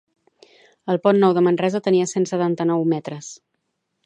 El Pont Nou de Manresa tenia cent setanta-nou metres